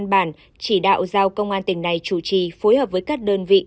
bản chỉ đạo giao công an tỉnh này chủ trì phối hợp với các đơn vị